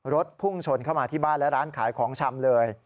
พุ่งชนเข้ามาที่บ้านและร้านขายของชำเลย